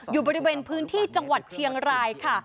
อยู่บริเวณพื้นที่จังหวัดเชียงรายค่ะ